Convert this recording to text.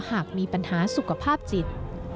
หากมีปัญหาสุขภาพจิต